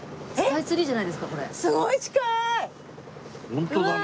ホントだね。